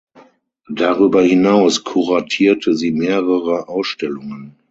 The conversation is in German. Darüber hinaus kuratierte sie mehrere Ausstellungen.